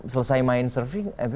selesai main surfing